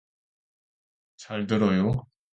잘 들어요.